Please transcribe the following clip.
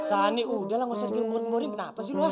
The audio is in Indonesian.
sani udahlah ga usah digomong gomongin kenapa sih lo